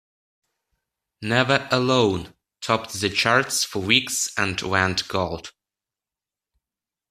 "Never Alone" topped the charts for weeks and went gold.